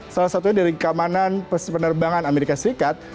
salah satunya dari keamanan penerbangan amerika serikat